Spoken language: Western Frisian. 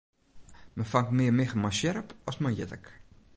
Men fangt mear miggen mei sjerp as mei jittik.